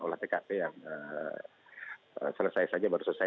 olah tkp yang selesai saja baru selesai